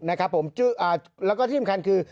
นะครับผมแล้วก็ที่สำคัญคือ